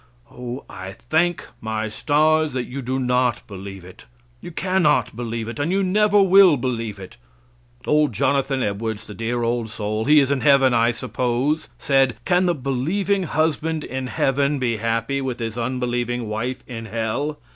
O! I thank my stars that you do not believe it. You cannot believe it, and you never will believe it. Old Jonathan Edwards, the dear old soul, he is in heaven I suppose, said: "Can the believing husband in heaven be happy with his unbelieving wife in hell?